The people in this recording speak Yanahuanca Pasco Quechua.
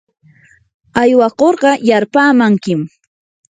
aywakurqa yarpaamankim.